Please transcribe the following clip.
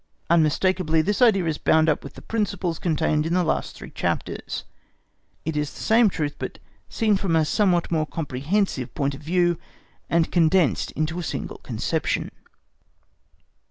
Unmistakably this idea is bound up with the principles contained in the last three chapters, it is the same truth, but seen from a somewhat more comprehensive point of view and condensed into a single conception.